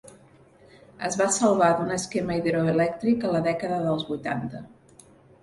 Es va salvar d'un esquema hidroelèctric a la dècada dels vuitanta.